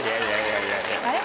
あれ？